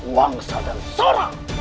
wangsa dan sora